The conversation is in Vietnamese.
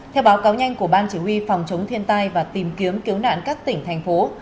theo báo cáo nhanh của ban chỉ huy phòng chống thiên tai và tìm kiếm cứu nạn các tỉnh thành phố